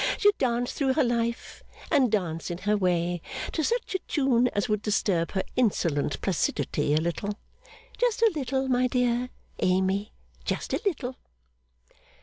should dance through her life, and dance in her way, to such a tune as would disturb her insolent placidity a little. Just a little, my dear Amy, just a little!